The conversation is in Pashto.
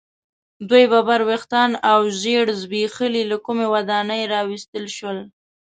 دوی ببر ویښتان او ژیړ زبیښلي له کومې ودانۍ را ویستل شول.